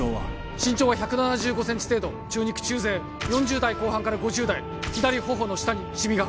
身長は１７５センチ程度中肉中背４０代後半から５０代左ほほの下にシミが